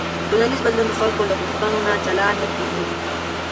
ټولنیز بدلون د خلکو له غوښتنو نه جلا نه کېږي.